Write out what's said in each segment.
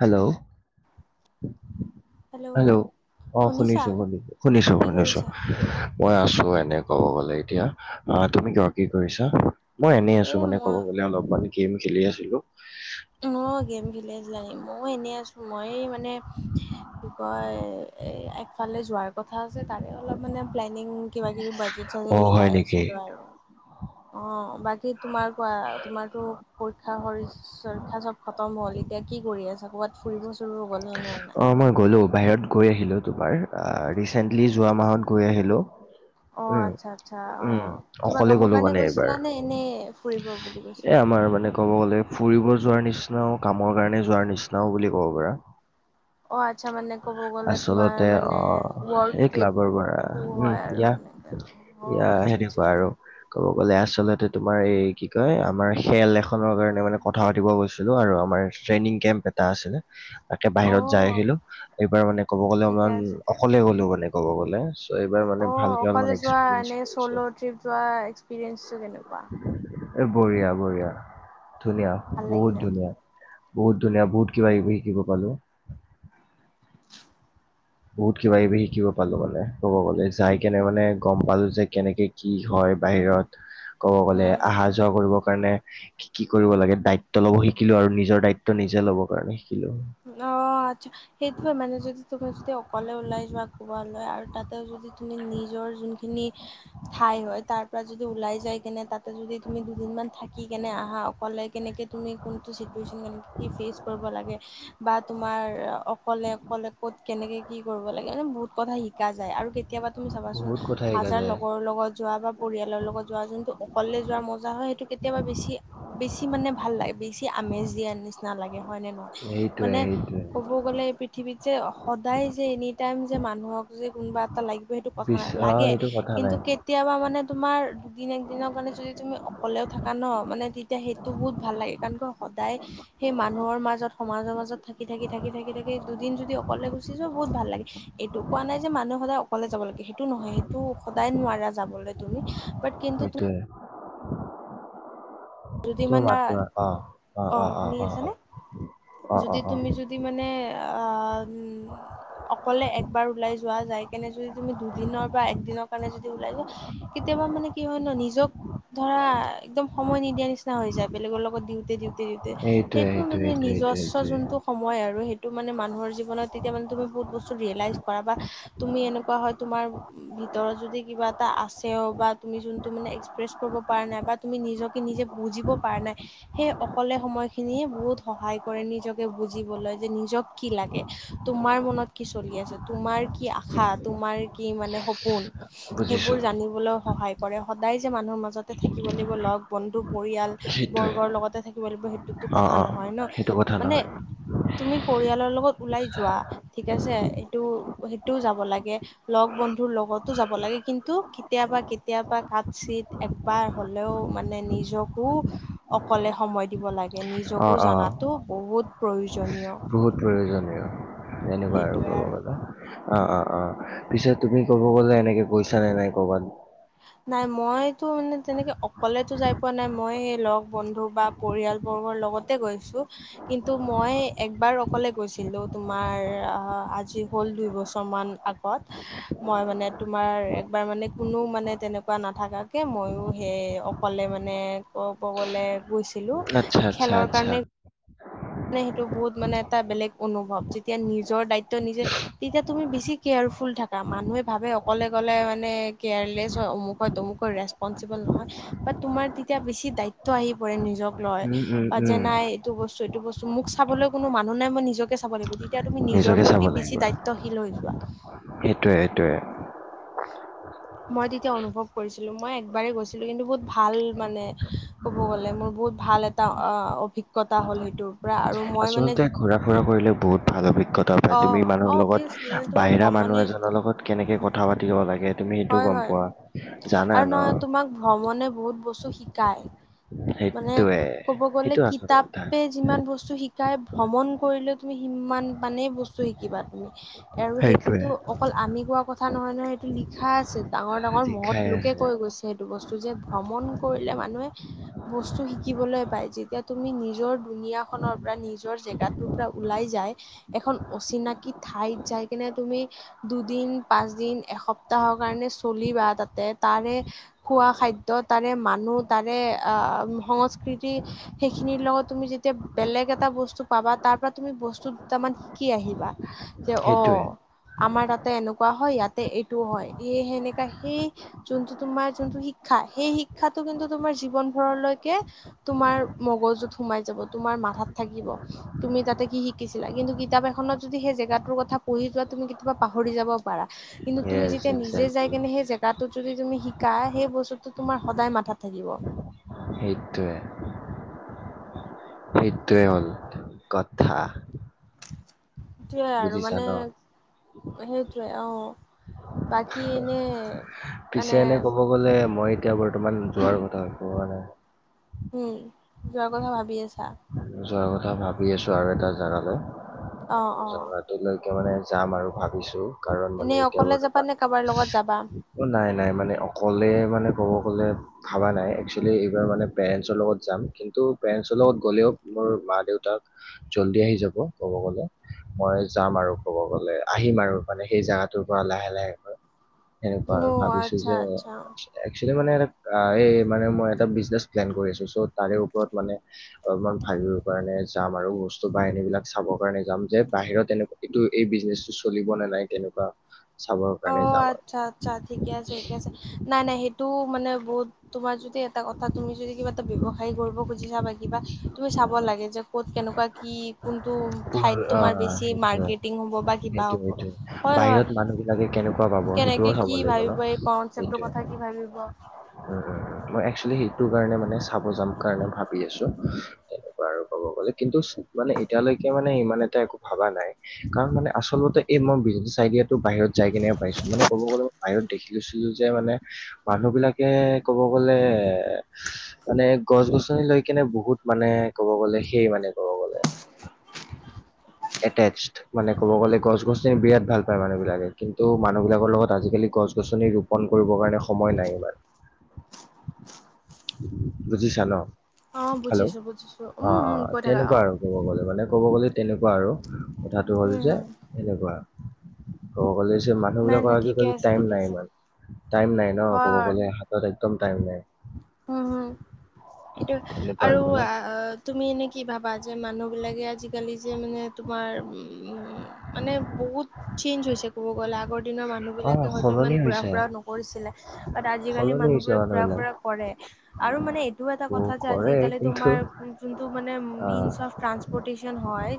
Hello! Hello! অ', শুনিছা শুনিছোঁ, শুনিছোঁ। শুনিছোঁ, কি শুনিছোঁ। কৰিছা? মই আছোঁ এনে ক'ব গ'লে এতিয়া। আহ, তুমি কোৱা কি কৰিছা? মই এনেই আছোঁ এই মানে ক'ব মই গ'লে, অলপমান গেম খেলি আছিলোঁ। অ' গেম খেলি আছিলা নেকি, ময়ো এনেই আছো মই মানে কি কয় এ একফালে যোৱাৰ কথা আছে তাৰে অলপ মানে প্লেনিং কিবা কিবি বাজেট চাজেট অ হয় মিলাই নেকি আছিলো আৰু অ' বাকী তোমাৰ কোৱা তোমাৰতো পৰীক্ষা শৰ পৰীক্ষা চ'ব খতম হ'ল এতিয়া কি কৰি আছা ক'ৰবাত ফুৰিব-চুৰিব গ'লা নে নাই? অ' মই গলো বাহিৰত গৈ আহিলো তোমাৰ ৰিচেন্টলি যোৱা মাহত গৈ আহিলো। অ উম, আচ্ছা আচ্ছা অ উম, কিবা অকলে কামৰ গ'লো কাৰণে মানে গৈছিলা এইবাৰ নে এনেই ফুৰিব বুলি এ গৈছিলা? আমাৰ মানে ক'ব গ'লে ফুৰিব যোৱাৰ নিচিনাও কামৰ কাৰণে যোৱাৰ নিচিনাও বুলি ক'ব পাৰা। অ আচ্ছা মানে ক'ব গ'লে তোমাৰ আচলতে মানে ৱৰ্ল্ড অ' এই ট্ৰিপ ক্লাবৰ পৰা শু উম হয় আৰু ইয়া এনেকে অ এয়া আচ্ছা আচ্ছা সেনেকুৱা আৰু ক'ব গ'লে আচলতে তোমাৰ এই কি কয় আমাৰ খেল এখনৰ কাৰণে মানে কথা পাতিব গৈছিলো আৰু আমাৰ ট্ৰেইনিং কেম্প এটা আছিলে। তাকে অ বাহিৰত যাই আহিলো এইবাৰ মানে ক'ব গ'লে ঠিকে অকমান আছে দিয়া অকলে গলো মানে। ক'ব গ'লে ত এইবাৰ মানে অ ভালকে অল অকলে মানে যোৱা এনে এক্সপিৰিয়েঞ্চ চ'ল' কৰিছোঁ। ট্ৰিপ যোৱা এক্সপিৰিয়েঞ্চটো কেনেকুৱা এই বঢ়িয়া বঢ়িয়া ধুনীয়া ভাল বহুত লাগিলে ধুনীয়া। বহুত ধুনীয়া বহুত কিবা - কিবি শিকিব পালো। বহুত কিবা কিবি শিকিব পালো মানে ক'ব গলে যাই কেনে মানে গ'ম পালো যে কেনেকে কি হয় বাহিৰত। ক'ব গ'লে উম অহা যোৱা কৰিবৰ কাৰণে কি কি কৰিব লাগে দায়িত্ব ল'ব শিকিলো আৰু নিজৰ দায়িত্ব নিজে ল'ব কাৰণে শিকিলো। অ' আচ্ছা সসেইটোৱে মানে যদি তোমাৰ অকলে ওলাই যোৱা ক'ৰবালয় আৰু তাতে যদি তুমি নিজৰ যোনখিনি ঠাই হয় তাৰ পৰা যদি ওলাই যায় কেনে তাতে যদি তুমি দুদিনমান থাকি কেনে আহা অকলে কেনেকৈ তুমি কোনটো চিটুৱেশ্যন কেনেকৈ কি ফেচ কৰিব লাগে বা তোমাৰ অকলে অকলে ক'ত কেনেকে কি কৰিব লাগে মানে বহুত কথা শিক শিকা যায় আৰু কেতিয়াবা তুমি চাবাচোন বহুত কথা শিকা হাজাৰ যায় লগৰৰ লগত যোৱা বা পৰিয়ালৰ লগত যোৱা যোনটো অকলে যোৱাৰ মজা হয় সেইটো কেতিয়াবা বেছি বেছি মানে ভাল লাগে বেছি আমেজ দিয়া নিচিনা লাগে হয় নে নহয়। সেইটোৱে মানে সেইটোৱে ক'ব গ'লে এই পৃথিৱীত যে সদায় যে এনি টাইম যে মানুহক যে কোনোবা লাগিব সেইটো কথা পিছ নাই অ লাগে এইটো কথা কিন্তু নাই কেতিয়াবা মানে তোমাৰ দুদিন - একদিনৰ কাৰণে যদি তুমি ক'লেও থাকা ন মানে তেতিয়া সেইটো বহুত ভাল লাগে কাৰণ সদায় সেই মানুহৰ মাজত সমাজৰ মাজত থাকি থাকি থাকি থাকি থাকি দুদিন যদি অকলে গুচি যোৱা বহুত ভাল লাগে। এইটো কোৱা নাই যে মানুহে সদায় অ'কলে যাব লাগে সেইটো নহয় সেইটো সদায় নোৱাৰা যাবলৈ তুমি। বাট কিন্তু সেইটোৱে যদি তুমি মানে মাত দিবা অ', অ', অ', অ', শুনি অ', আছানে অ', অ অ যদি অ তুমি যদি মানে অ' অকলে একবাৰ ওলাই যোৱা যাই কেনে যদি তুমি দুদিনৰ বা একদিনৰ কাৰণে যদি ওলাই যোৱা কেতিয়াবা মানে কি হয় ন নিজক ধৰা একদম সময় নিদিয়া নিচিনা হৈ যায় বেলেগৰ লগত দিওঁতে দিওঁতে। সেইটোৱে সেইটো সেইটোৱে সেইটোৱে মানে সেইটোৱে নিজস্ব সেইটোৱে যোনটো সময় আৰু সেইটো মানে মানুহৰ জীৱনত তেতিয়া মানে তুমি বহুত বস্তু ৰিয়েলাইজ কৰা বা তুমি এনেকুৱা হয় তোমাৰ ভিতৰত যদি কিবা এটা আছে অ' বা তুমি যোনটো মানে এক্সপ্ৰেছ কৰিব পৰা নাই বা তুমি নিজক নিজে বুজিব পাৰ নাই সেই অকলে সময় খিনিয়ে বহুত সহায় কৰে নিজকে বুজিবলৈ যে নিজক কি লাগে। তোমাৰ মনত কি চলি আছে, তোমাৰ কি আশা, তোমাৰ কি মানে সপোন, বুজিছো সেইবোৰ জানিবলৈ সহায় কৰে। কৰে সদায় যে মানুহৰ মাজতে থাকিব লাগিব লগ- বন্ধু, সেইটোৱে পৰিয়াল-বৰ্গৰ লগতে থাকিব লাগিব সেইটো টো অ অ কথা নহয় ন। সেইটো কথা মানে নহয় তুমি পৰিয়ালৰ লগত ওলাই যোৱা ঠিক আছে সেইটো সেইটোও যাব লাগে। লগ বন্ধুৰ লগতো যাব লাগে কিন্তু কেতিয়াবা কেতিয়াবা কাট চিত। একবাৰ হ'লেও মানে নিজকো অকলে সময় দিব লাগে। গে অ নিজকো অ জাতো বহুত প্ৰয়োজনীয়। বহুত প্ৰয়োজনীয় এনেকুৱা সেইটোৱে ক'ব আৰু। গ'লে অ' অ' অ' পিছেত তুমি ক'ব গলে এনেকে পইচা নে নাই কৰ'বাত। নাই মইতো মানে তেনেকে অকলেতো যাই পোৱা নাই মই লগ বন্ধু বা। পৰিয়ালবৰ্গৰ লগতে গৈছো। কিন্তু মই একবাৰ অকলে গৈছিলো তোমাৰ আজি হ'ল দুইবছৰ মান। আগত মই মানে তোমাৰ একবাৰ মানে কোনো মানে। তেনেকুৱা নাথাকাকে ময়ো সেই অকলে মানে ক'ব গ'লে। গৈছিলো আচ্ছা আচ্ছা খেলৰ আচ্ছা কাৰণে। মানে সেইটো বহুত মানে এটা বেলেগ অনুভৱ যেতিয়া নিজৰ দায়িত্ব নিজে। তেতিয়া তুমি বেছি কেয়াৰফুল থাকা মানুহে ভাবে অকলে গলে মানে কেয়াৰলেছ হয় অমুখত। তমুকো ৰেচপনচিবল নহয় বা তোমাৰ তেতিয়া বেছি দায়িত্ব আহি পৰে নিজক লয়। উম উম বা যে উম নাই এইটো বস্তু এইটো বস্তু মোক চাবলৈ কোনো মানুহ নাই মই নিজকে চাব লাগিব। তেতিয়া তুমি নিজৰ নিজকে প্ৰতি বেছি দায়িত্বশীল হৈ যোৱা। সেইটোৱে সেইটোৱে। মই তেতিয়া অনুভৱ কৰিছিলো মই একবাৰেই গৈছিলো কিন্তু বহুত ভাল মানে। ক'ব গ'লে মোৰ বহুত ভাল এটা অ' অভিজ্ঞতা হ'ল সেইটোৰ পৰা আৰু মই মানে। ঘুৰা ফুৰা কৰিলে বহুত ভাল অভিজ্ঞতা পায় তুমি অ', মানুহৰ অভিয়াচলি মানে লগত তোমাৰ বাহিৰা মানুহ ভ্ৰমণে এজনৰ লগত। কেনেকে কথা পাতিব লাগে তুমি সেইটো হয় গম হয় পোৱা জানা আৰু ন। নহয় তোমাক ভ্ৰমণে বহুত বস্তু শিকায় মানে সেইটোৱে ক'ব গ'লে সেইটো আচল কথা কিতাপে। যিমান বস্তু শিকাই ভ্ৰমণ কৰিলে তুমি সিমান মানেই বস্তু শিকিবা তুমি। আৰু সেইটোৱে সেইটোতো অকল আমি কোৱা কথা নহয় নহয় সেইটো লি। লিখা আছে ডাঙৰ ডাঙৰ মহদ শিক্ষাই লোকে আছে কৈ গৈছে সেইটো বস্তু যে ভ্ৰমণ কৰিলে মানুহে। বস্তু শিকিবলৈ পায় যেতিয়া তুমি নিজৰ দুুনীয়াখনৰ পৰা নিজৰ জেগাটোৰ পৰা ওলাই যায়। এখন অচিনাকি ঠাইত যাই কিনে তুমি। দুদিন পাঁচদিন এসপ্তাহৰ কাৰণে চলিবা তাতে তাৰে। খোৱা খাদ্যয় তাৰে মানুহ তাৰে অ' সংস্কৃতি। সেইখিনিৰ লগত তুমি যেতিয়া বেলেগ এটা বস্তু পাবা তাৰ পৰা তুমি বস্তু দুটামান। কি আহিবা যে সেইটোৱে অ'। আমাৰ তাতে এনেকুৱা হয় ইয়াতে এইটো হয় এই সেনেকা সেই। যোনটো তোমাৰ যোনটো শিক্ষা সেই শিক্ষাটো কিন্তু তোমাৰ জীৱন। ঘৰলৈকে তোমাৰ মগজুত সোমাই যাব তোমাৰ মাথাত থাকিব। তুমি তাতে কি শিকিছিলা কিন্তু কিতাপ এখনত যদি সেই জেগাটোৰ কথা পঢ়ি যোৱা তুমি কেতিয়াবা পাহৰি যাব পাৰা। কিন্তু। তুমি য়েছ যেতিয়া নিজে এক্সেক্টলি যাই কিনে সেই জেগাটোত যদি তুমি শিকা সেই বস্তুটো তোমাৰ সদায় মাথাত থাকিব। সেইটোৱে। এইটোএ হ'ল। কথা। সটয়াই আৰু বুজিছা মানে। ন সেইটোৱে আহ বাকী এনে। মানে পিছে এনে ক'ব গ'লে মই এতিয়া বৰ্তমান যোৱাৰ কথা পোৱা নাই। উম যোৱাৰ কথা ভাবি আছা। যোৱাৰ কথা ভাবি আছো আৰু এটা জেগালৈ অ অ জাত। লৈকে মানে যাম আৰু ভাবিছো কাৰণ মানে এনেই এতিয়া অকলে যাবা নে কাৰোবাৰ লগত যাবা বৰ্তমান। অ' নাই নাই মানে অকলে মানে ক'ব গ'লে। ভাবা নাই একচেলি এইবাৰ মানে পেৰেণ্ন্টছৰ লগত যাম কিন্তু পেৰেন্টছৰ লগত গ'লেও। মোৰ মা দেউতাক। জল্দি আহি যাব। ক'ব গলে মই যাম আৰু, ক'ব গ'লে আহিম আৰু মানে। সেই জোগাত পৰা লাহে- লাহে সেনেকুৱা আৰু। অ ভাবিছো আচ্ছা যে, আচ্ছা একচুৱেলি মানে এটা এই, মানে মই এটা বিজনেছ প্লেন কৰি আছো। চ' তাৰে ওপৰত মানে, অলপমান ভাবিব কাৰণে যাম আৰু। বস্তু বা এনেকুৱাবিলাক চাবৰ কাৰণে যাম যে। বাহিৰত এনেকুৱা, এই বিজনেচটো চলিব নে নাই, তেনেকুৱা। চাবৰ অ, কাৰণে যাম আৰু আচ্ছা -আচ্ছা ঠিকে আছে, ঠিকে আছে, নাই -নাই সেইটো মানে বহুত, তোমাৰ যদি এটা কথা। তুমি যদি কিবা এটা ব্যৱসায় কৰিব, বুজি চাবা। কিবা তুমি চাব লাগে যে, ক'ত কেনেকুৱা কি? কোনটো ঠাইত পোন- তোমাৰ আহ, বেছি সেইটোৱে মাৰ্কেটিং হ'ব? বা কিবা সেইটোৱে হ'ব। সেইটোৱে হয়- হয়। বাহিৰত মানুহ বিলাকে কেনেকুৱা পাব? সেইটোও কেনেকে চাব কি লাগিব ন ভাবিব? এই কনচেপ্টৰ সেইটোৱে কথা কি ভাবিব? মই এক্টচোৱেলি সেইটো কাৰণে মানে। চাব যাম কাৰণে ভাবি আছো। আৰু ক'ব গ'লে কিন্তু মানে, এতিয়ালৈকে, মানে ইমান এটা একো ভবা নাই, কাৰণ মানে, আচলতে এই মই বিছিনেছ আইডিয়া। বাহিৰ যাই কিনে, পাইছো মানে ক'ব গ'লে বহুত। দেখি, লৈছিলো যে মানে মানুহ বিলাকে, ক'ব গ'লে, মানে গছ -গছনি লৈ কেনে বহুত মানে, ক'ব গ'লে সেই মানে ক'ব গলে, আত্তেছ। মানে ক'ব গ'লে গছ- গছনি বিৰাট ভাল পায়। মানুহ বিলাকে কিন্তু মানুহ বিলাকৰ লগত আজিকালি গছ- গছনি ৰূপ ফন কৰিব কাৰণে সময় নাই। ইমান বুজিছা ন? অ' হেল্ল'। বুজিছো বুজিছো অ -অ উম উম কৈ থাকা তেনেকুৱা অ' আৰু। ক'ব গ'লে মানে ক'ব গ'লে তেনেকুৱা আৰু। কথাটো হ'ল উম যে, উম এনেকুৱা কব গলে মানুহ নাই নাই ঠিকে বিলাকৰ আছে টাইম ঠিকে নাই আছে ইমান, টাইম নাই। ন? হয় ক'ব হয় গ'লে হাতত একদম টাইম নাই। উম, হম, সেইটোয়ে তেনেকুৱা আৰু। হৈছে ন আহ তুমি এনেই কি ভাবা, যে মানুহবিলাকে আজিকালি যে মানে তোমাৰ, মানে বহুত চেঞ্জ হৈছে। ক'ব গ'লে আগৰ দিনৰ মানুহ অ বিলাকে হয়তো ইমান সলনি ঘুৰা হৈছে -ফুৰা নকৰিছিলে। তাত আজিকালি সলনি হৈছে মানুহবোৰে ঘূৰা মানুহবিলাক ফুৰা, কৰে। আৰু এইটো এটা কথা ত' যে, কৰে কিন্তু তোমাৰ ফোন চোনটো মানে অ মেনছত, ট্ৰংপতেচন হয়।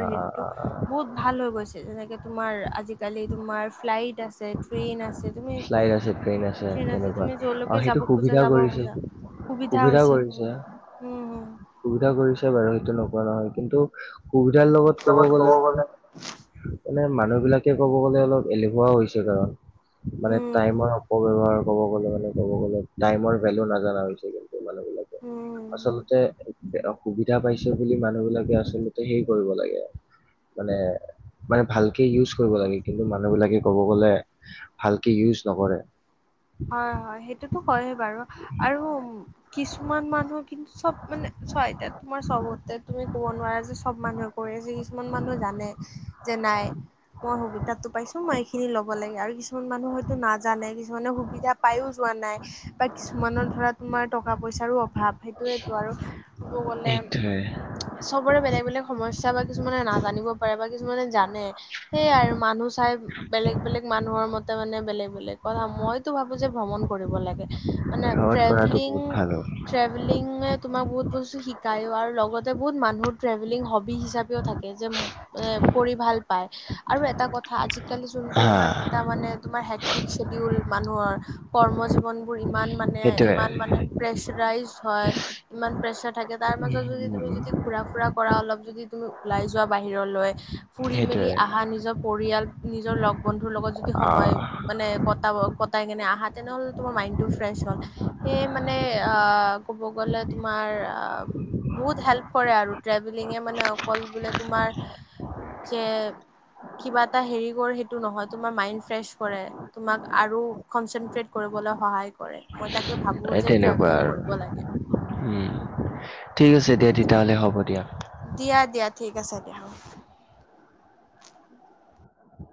অ অ অ অ ভাল হয় গৈছে। যেনেকে, তোমাৰ আজিকালি তোমাৰ, ফ্লাইট আছে ট্ৰেইন আছে, তুমি ফ্লাইট আছে ট্ৰেইন আছে তুমি য'লৈকে যাব। খোজা সুবিধাও যাব কৰিছে খোজা দিছে। সুবিধা হৈছে কৰিছে। বহুত উম হম সুবিধা কৰিছে বাৰু। সেইটো নকৰা নহয়। কিন্তু সুবিধাৰ লগত, ত ক'ব গলে, মানে মানুহ বিলাকে ক'ব গলে, অলপ এলেহুৱা হৈছে। কাৰণ মানে উম টাইমৰ অপব্যৱহাৰ, ক'ব গলে মানে, ক'ব গলে টাইমৰ ভেলু নাজানা হৈছে। কিন্তু মানুহ বিলাকে উম হুম আচলতে অসুবিধা পাইছে বুলি, মানুহ বিলাকে আচলতে হেই কৰিব লাগে। মানে মানে ভালকে ইউজ কৰিব লাগে। কিন্তু মানুহবিলাকে ক'ব গ'লে ভালকে ইউজ নকৰে। হয়- হয় সেইটোতো হয় বাৰু। আৰু কিছুমান মানুহ কিন্তু চব মানে, হয়। এতিয়া তোমাৰ চবতে তুমি কব নোৱাৰা যে, চব মানুহে কৰি আছে কিছুমান মানুহ জানে। যে নাই। মই সুবিধাতটো পাইছো মই এইখিনি ল'ব লাগে। আৰু কিছুমান কিছুমান মানুহ হয়তো নাজানে। কিছুমানে সুবিধা পাইও যোৱা নাই। বা কিছুমানৰ ধৰা, তোমাৰ টকা পইচাৰো অভাৱ। সেইটোয়েতটো আৰু। ক'ব গ'লে এইটোৱে। চবৰে বেলেগ -বেলেগ সমস্যা বা কিছুমানে নাজানিব পাৰে বা কিছুমানে জানে। সেয়াই আৰু মানুহ চাই বেলেগ- বেলেগ মানুহৰ মতে মানে, বেলেগ -বেলেগ কথা মই ভাবো যে ভ্ৰমণ কৰিব লাগে। মানে এভইড কৰাটো ট্ৰেভেলিং, বহুত ভাল হ'ব। ট্ৰেভেলিঙে তোমাক বহুত বস্তু শিকায়ো আৰু লগতে বহুত মানুহ টেভেলিং হবি হিচাপেও থাকে যে এ কৰি ভাল পায় আৰু এটা কথা আজি জালি যোনটো হা ইমান এটা মানে তোমাৰ হে্টিক শ্বডিউল মানুহৰ কৰ্ম জীৱনবোৰ ইমান মানে সেইটোৱে ইমান মানে প্ৰেচাৰইজ হয় ইমান প্ৰেচাৰ থাকে তাৰ মাজত যদি তুমি উম যদি ঘুৰা ফুৰা কৰা অলপ যদি তুমি ওলাই যোৱা বাহিৰলৈ ফুৰি মেলি সেইটোৱে আহা নিজৰ পৰিয়াল নিজৰ লগ বন্ধুৰ লগত যদি সময় আহ মানে ক কটাই কেনে আহা তেনেহ'লে তোমাৰ মাইণ্ড টো ফ্ৰেছ হ'ল সেয়ে মানে অ ক'ব গলে তোমাৰ অ বহুত হেল্প কৰে আৰু ট্ৰেভেলিঙ মানে অকল বোলে তোমাৰ যে কিবা এটা হেৰি কৰ সেইটো নহয় তোমাৰ মাইনড ফ্ৰেচ কৰে তোমাক আৰু কনচেনট্ৰেট কৰিবলৈ সহায় কৰে মই তাকে ভাবোঁ এই যে তেনেকুৱা ট্ৰেভেলিং আৰু কৰিব লাগে উম ঠিক আছে দিয়া তেতিয়াহ'লে হ'ব দিয়া দিয়া দিয়া ঠিক আছে দিয়া হ'